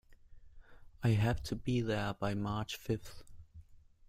I have to be there by March fifth.